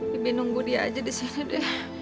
bibi nunggu dia aja disini deh